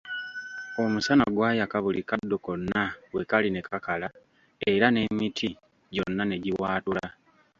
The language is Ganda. Omusana gwayaka buli kaddo konna wekali ne kakala era n'emiti gyonna ne giwaatula.